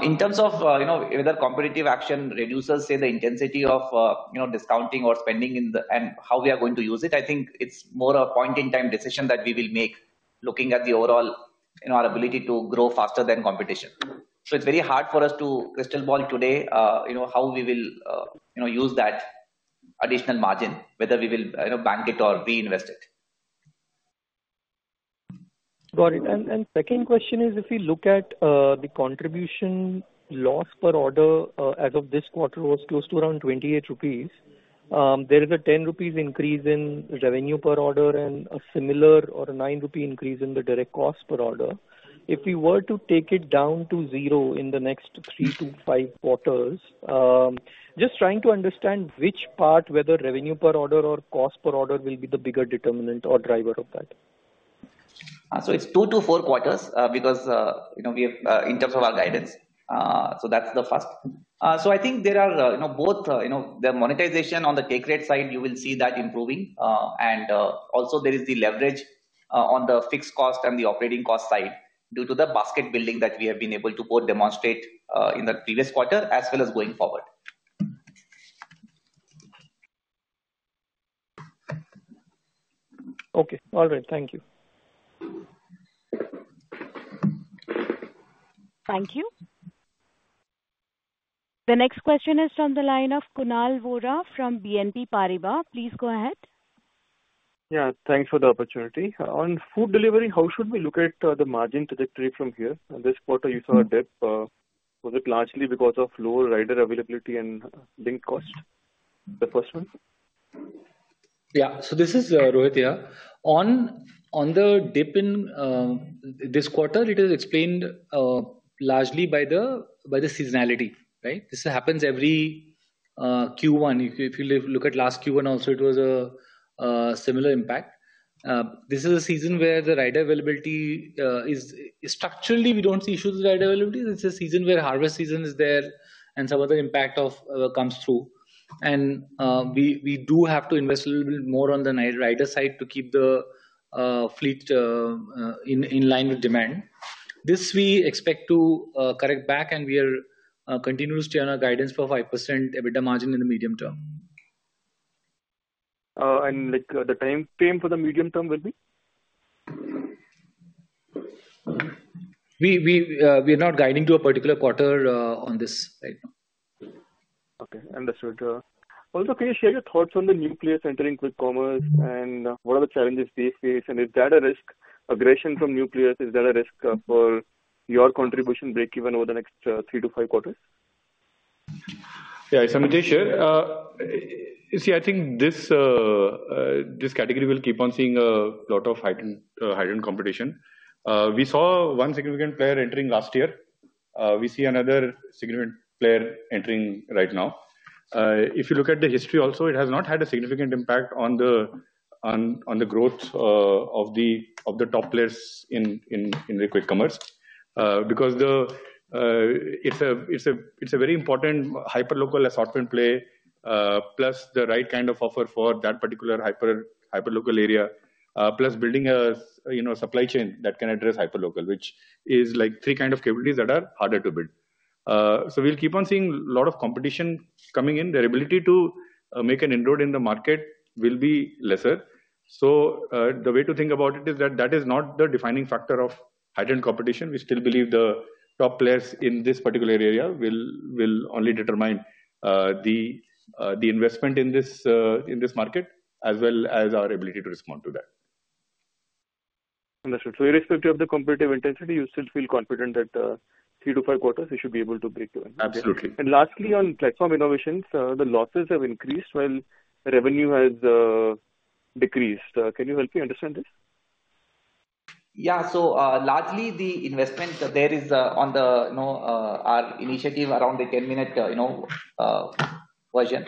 In terms of whether competitive action reduces the intensity of discounting or spending, and how we are going to use it, I think it's more a point-in-time decision that we will make looking at the overall, you know, our ability to grow faster than competition. It's very hard for us to crystal ball today how we will use that additional margin, whether we will bank it or reinvest it. Got it. Second question is, if we look at the contribution loss per order as of this quarter, it was close to around 28 rupees. There is a 10 rupees increase in revenue per order and a similar or a 9 rupee increase in the direct cost per order. If we were to take it down to zero in the next three-to-five quarters, just trying to understand which part, whether revenue per order or cost per order, will be the bigger determinant or driver of that. It is two to four quarters because, you know, we have in terms of our guidance. I think there are, you know, both, you know, the monetization on the take rate side, you will see that improving, and also there is the leverage on the fixed cost and the operating cost side due to the basket building that we have been able to both demonstrate in the previous quarter as well as going forward. Okay. All right. Thank you. Thank you. The next question is from the line of Kunal Vora from BNP Paribas. Please go ahead. Thanks for the opportunity. On food delivery, how should we look at the margin trajectory from here? This quarter, you saw a dip. Was it largely because of lower rider availability and linked cost? The first one? Yeah. This is Rohit here. On the dip in this quarter, it is explained largely by the seasonality, right? This happens every Q1. If you look at last Q1 also, it was a similar impact. This is a season where the rider availability is structurally, we don't see issues with rider availability. It's a season where harvest season is there and some other impact comes through. We do have to invest a little bit more on the rider side to keep the fleet in line with demand. This we expect to correct back, and we are continuously on our guidance for 5% EBITDA margin in the medium term. What is the time frame for the medium term? We are not guiding to a particular quarter on this right now. Okay. Understood. Also, can you share your thoughts on the new players entering quick commerce and what are the challenges they face? Is that a risk? Aggression from new players, is that a risk for your contribution margin breakeven over the next three-to-five quarters? Yeah. It's Amitesh here. See, I think this category will keep on seeing a lot of heightened competition. We saw one significant player entering last year. We see another significant player entering right now. If you look at the history also, it has not had a significant impact on the growth of the top players in quick commerce. Because it's a very important hyperlocal assortment play, plus the right kind of offer for that particular hyperlocal area, plus building a supply chain that can address hyperlocal, which is like three kinds of capabilities that are harder to build. We will keep on seeing a lot of competition coming in. Their ability to make an inroad in the market will be lesser. The way to think about it is that is not the defining factor of heightened competition. We still believe the top players in this particular area will only determine the investment in this market as well as our ability to respond to that. Understood. Irrespective of the competitive intensity, you still feel confident that three-to-five quarters you should be able to breakeven? Absolutely. Lastly, on platform innovations, the losses have increased while revenue has decreased. Can you help me understand this? Yeah, largely the investment there is on our initiative around the 10-minute version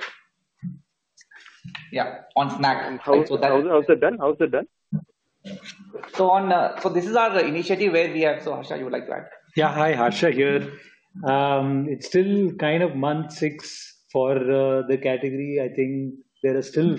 on snack. How is that done? How is that done? This is our initiative where we have, Sriharsha, you would like to add? Yeah. Hi, Harshra here. It's still kind of month six for the category. I think there are still,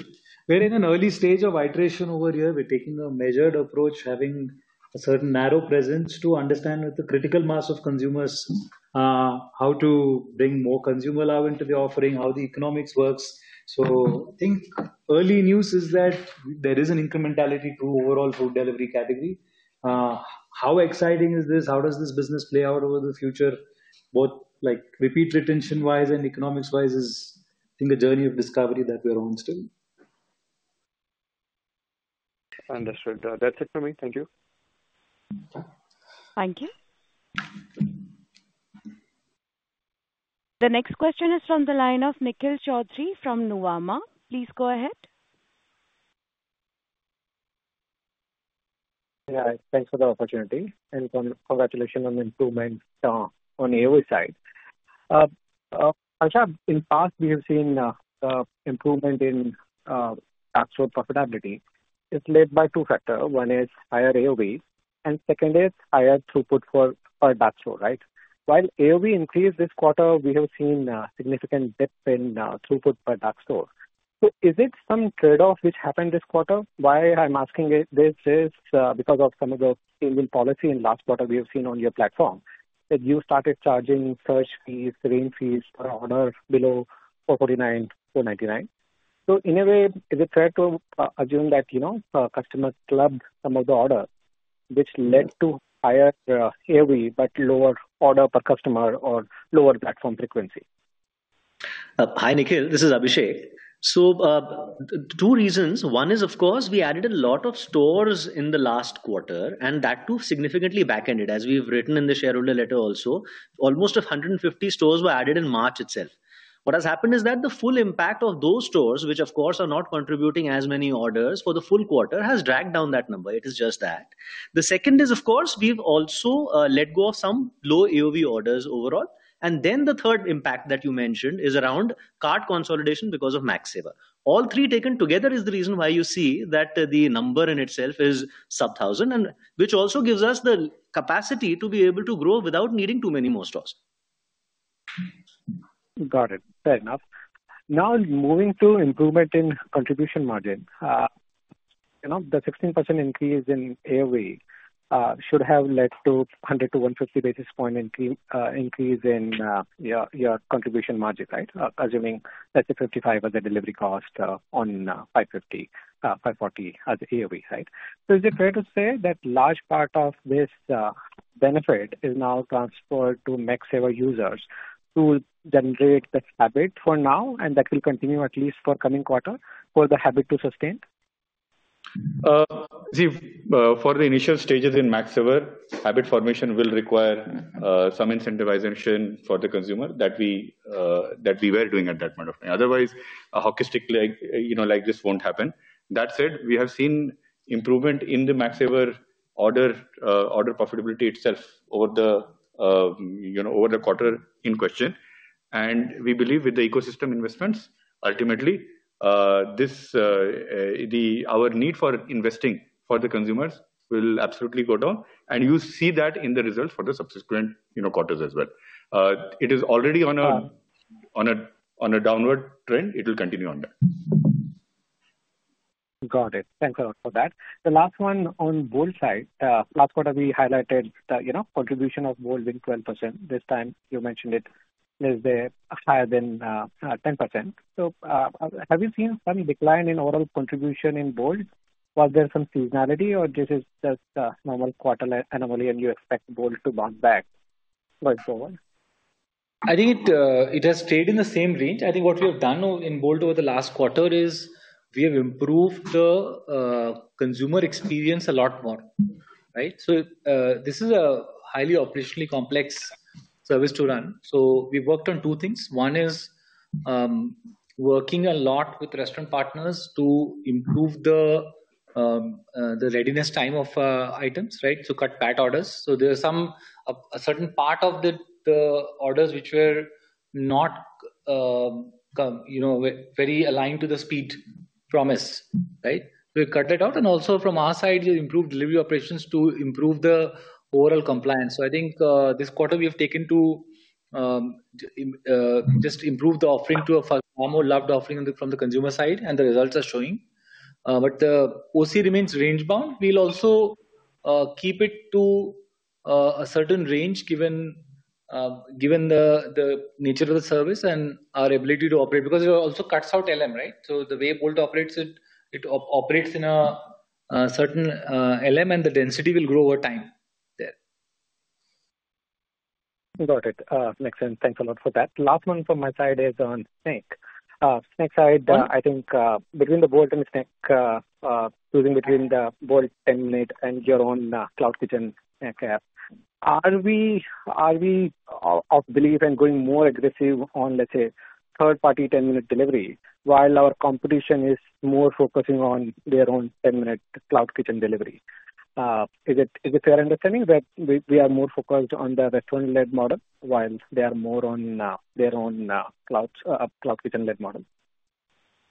we're in an early stage of iteration over here. We're taking a measured approach, having a certain narrow presence to understand with the critical mass of consumers. How to bring more consumer love into the offering, how the economics works. I think early news is that there is an incrementality to overall food delivery category. How exciting is this? How does this business play out over the future? Both like repeat retention-wise and economics-wise is, I think, a journey of discovery that we are on still. Understood. That's it for me. Thank you. Thank you. The next question is from the line of Nikhil Choudhary from Nuwama. Please go ahead. Yeah, thanks for the opportunity, and congratulations on the improvement on AOV side. Harshra, in the past, we have seen improvement in dark store profitability. It's led by two factors. One is higher AOV, and second is higher throughput for dark store, right? While AOV increased this quarter, we have seen a significant dip in throughput per dark store. Is it some trade-off which happened this quarter? Why I'm asking this is because of some of the changing policy in the last quarter we have seen on your platform that you started charging search fees, ring fees per order below INR 449, INR 499. In a way, is it fair to assume that, you know, customers clubbed some of the orders, which led to higher AOV but lower order per customer or lower platform frequency? Hi, Nikhil. This is Abhishek. Two reasons. One is, of course, we added a lot of stores in the last quarter, and that too significantly back-ended, as we've written in the shareholder letter also. Almost 150 stores were added in March itself. What has happened is that the full impact of those stores, which of course are not contributing as many orders for the full quarter, has dragged down that number. It is just that. The second is, of course, we've also let go of some low AOV orders overall. The third impact that you mentioned is around cart consolidation because of Max Saver. All three taken together is the reason why you see that the number in itself is sub-thousand, which also gives us the capacity to be able to grow without needing too many more stores. Got it. Fair enough. Now, moving to improvement in contribution margin. You know, the 16% increase in AOV should have led to 100 to 150 basis point increase in your contribution margin, right? Assuming, let's say, 55 as a delivery cost on 550, 540 as AOV, right? Is it fair to say that a large part of this benefit is now transferred to Max Saver users to generate the habit for now, and that will continue at least for the coming quarter for the habit to sustain? See, for the initial stages in Max Saver, habit formation will require some incentivization for the consumer that we were doing at that point of time. Otherwise, a hockey stick, you know, like this won't happen. That said, we have seen improvement in the Max Saver order profitability itself over the quarter in question. We believe with the ecosystem investments, ultimately our need for investing for the consumers will absolutely go down. You see that in the results for the subsequent quarters as well. It is already on a downward trend. It will continue on that. Got it. Thanks a lot for that. The last one on Bolt side, last quarter we highlighted, you know, contribution of Bolt being 12%. This time you mentioned it is higher than 10%. Have you seen some decline in overall contribution in Bolt? Was there some seasonality, or is this just a normal quarter anomaly and you expect Bolt to bounce back going forward? I think it has stayed in the same range. What we have done in Bolt over the last quarter is we have improved the consumer experience a lot more, right? This is a highly operationally complex service to run. We worked on two things. One is working a lot with restaurant partners to improve the readiness time of items, right? Cut part orders. There's a certain part of the orders which were not very aligned to the speed promise, right? We cut it out. Also, from our side, we improved delivery operations to improve the overall compliance. I think this quarter we have taken to just improve the offering to a far more loved offering from the consumer side, and the results are showing. The OC remains range-bound. We'll also keep it to a certain range given the nature of the service and our ability to operate because it also cuts out LM, right? The way Bolt operates, it operates in a certain LM and the density will grow over time there. Got it. Makes sense. Thanks a lot for that. Last one from my side is on SNACC. SNACC side, I think between the Bolt and SNACC. Choosing between the Bolt 10-minute and your own cloud kitchen SNACC app. Are we of belief and going more aggressive on, let's say, third-party 10-minute delivery while our competition is more focusing on their own 10-minute cloud kitchen delivery? Is it a fair understanding that we are more focused on the restaurant-led model while they are more on their own cloud kitchen-led model?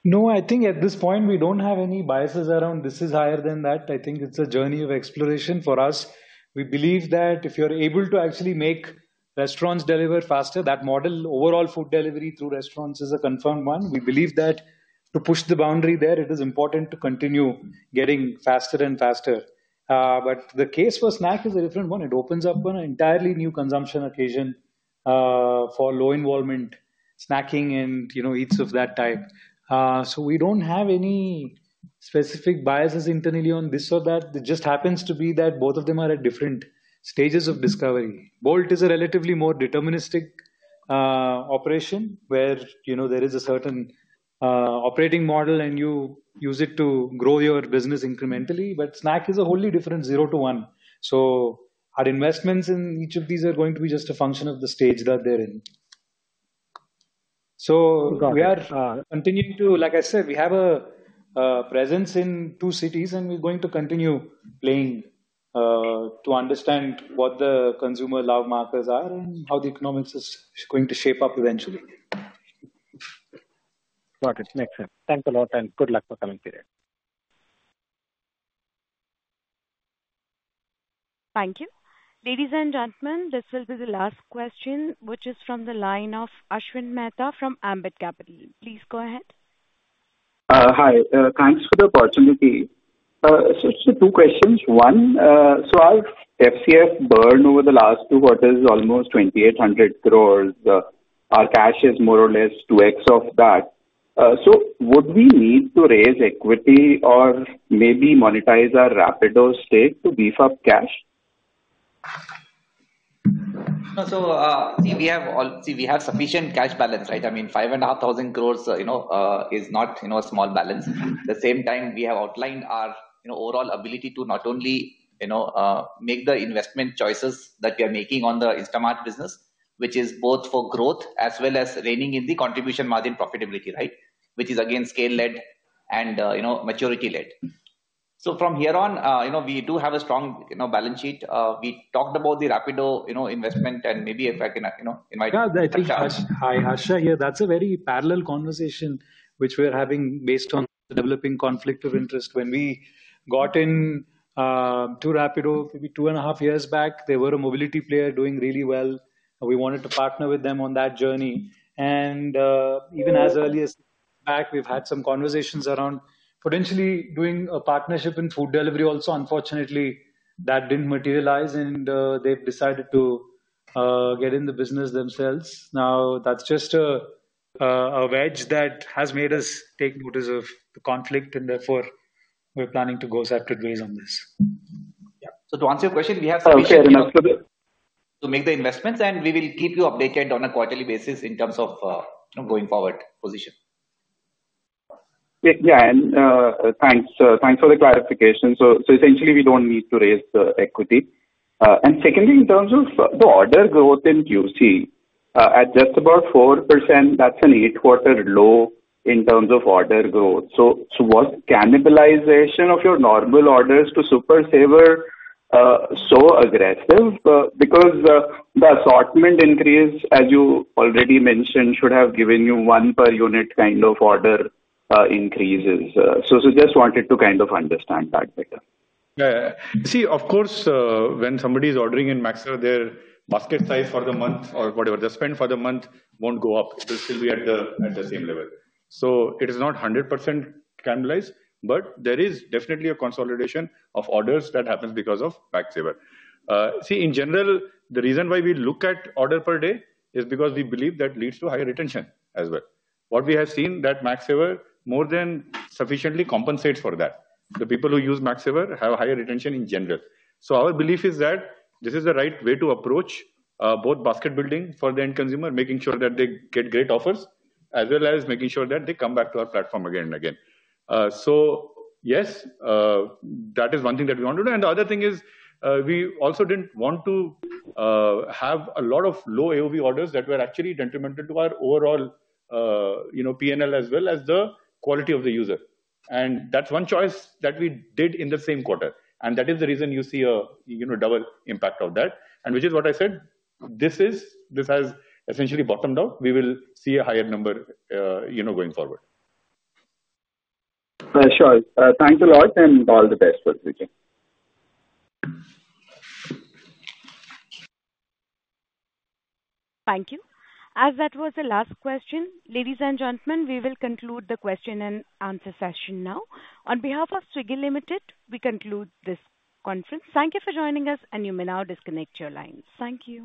No, I think at this point we don't have any biases around this is higher than that. I think it's a journey of exploration for us. We believe that if you're able to actually make restaurants deliver faster, that model overall food delivery through restaurants is a confirmed one. We believe that to push the boundary there, it is important to continue getting faster and faster. The case for SNACC is a different one. It opens up an entirely new consumption occasion for low involvement snacking and, you know, eats of that type. We don't have any specific biases internally on this or that. It just happens to be that both of them are at different stages of discovery. Bolt is a relatively more deterministic operation where, you know, there is a certain operating model and you use it to grow your business incrementally. SNACC is a wholly different zero to one. Our investments in each of these are going to be just a function of the stage that they're in. We are continuing to, like I said, we have a presence in two cities and we're going to continue playing to understand what the consumer love markers are and how the economics is going to shape up eventually. Got it. Makes sense. Thanks a lot and good luck for coming today. Thank you. Ladies and gentlemen, this will be the last question, which is from the line of Ashwin Mehta from Ambit Capital. Please go ahead. Hi. Thanks for the opportunity. Two questions. One, our FCF burn over the last two quarters is almost 2,800 crore. Our cash is more or less 2x of that. Would we need to raise equity or maybe monetize our Rapido stake to beef up cash? We have sufficient cash balance, right? I mean, 5,500 crores is not a small balance. At the same time, we have outlined our overall ability to not only make the investment choices that we are making on the Instamart business, which is both for growth as well as reigning in the contribution margin profitability, right? Which is again scale-led and maturity-led. From here on, we do have a strong balance sheet. We talked about the Rapido investment and maybe if I can invite Harshra. Hi, harsha here. That's a very parallel conversation which we're having based on the developing conflict of interest. When we got in to Rapido maybe two and a half years back, they were a mobility player doing really well. We wanted to partner with them on that journey. Even as early as back, we've had some conversations around potentially doing a partnership in food delivery also. Unfortunately, that didn't materialize and they've decided to get in the business themselves. Now that's just a wedge that has made us take notice of the conflict and therefore we're planning to go separate ways on this. Yeah, to answer your question, we have sufficient capital to make the investments, and we will keep you updated on a quarterly basis in terms of, you know, going forward position. Thank you for the clarification. Essentially, we don't need to raise the equity. In terms of the order growth in quick commerce, at just about 4%, that's an eight-quarter low in terms of order growth. Was cannibalization of your normal orders to Max Saver so aggressive? The assortment increase, as you already mentioned, should have given you one per unit kind of order increases. I just wanted to understand that better. See, of course, when somebody is ordering in Max Saver, their basket size for the month or whatever, the spend for the month won't go up. It will still be at the same level. It is not 100% cannibalized, but there is definitely a consolidation of orders that happens because of Max Saver. In general, the reason why we look at order per day is because we believe that leads to higher retention as well. What we have seen is that Max Saver more than sufficiently compensates for that. The people who use Max Saver have a higher retention in general. Our belief is that this is the right way to approach both basket building for the end consumer, making sure that they get great offers as well as making sure that they come back to our platform again and again. That is one thing that we want to do. The other thing is we also didn't want to have a lot of low AOV orders that were actually detrimental to our overall P&L as well as the quality of the user. That's one choice that we did in the same quarter. That is the reason you see a double impact of that, which is what I said, this has essentially bottomed out. We will see a higher number going forward. Sure. Thanks a lot, and all the best for the team. Thank you. As that was the last question, ladies and gentlemen, we will conclude the question and answer session now. On behalf of Swiggy Limited, we conclude this conference. Thank you for joining us and you may now disconnect your lines. Thank you.